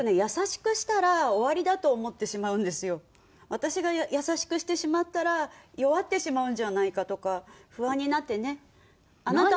私が優しくしてしまったら弱ってしまうんじゃないかとか不安になってね。